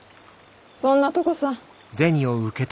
そんなとこさ。